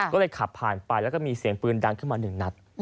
ก็เลยขับผ่านไปแล้วก็มีเสียงปืนดังขึ้นมาหนึ่งนัด